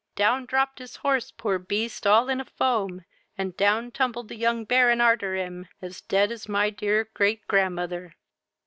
Down dropped his horse, poor beast, all in a foam, and down tumbled the young Baron arter him, as dead as my my dear great grandmother."